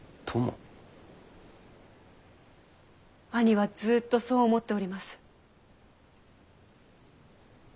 兄はずっとそう思っております。